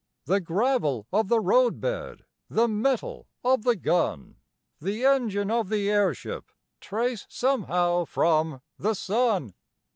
The gravel of the roadbed, The metal of the gun, The engine of the airship Trace somehow from the sun.